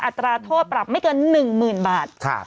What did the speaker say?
อัตราโทษปรับไม่เกิน๑๐๐๐บาท